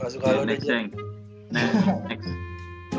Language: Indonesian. gak suka lu deh ceng